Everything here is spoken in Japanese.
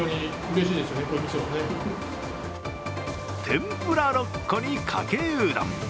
天ぷら６個に、かけうどん。